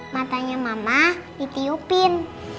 matanya mama ditiupin